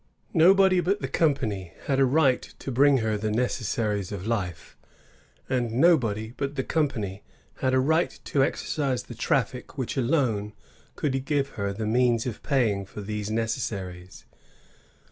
Nobody but the company had a right to bring her the necessaries of life ; and nobody but the company had a right to exercise the traffic which alone could give her the means of paying for these necessaries.